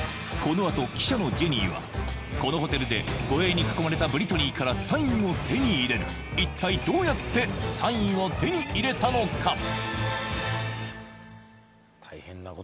このあと記者のジェニーはこのホテルで護衛に囲まれたブリトニーからサインを手に入れる一体どうやってサインを手に入れたのか？